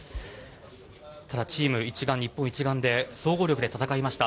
ただ、チーム一丸日本一丸で総合力で戦いました。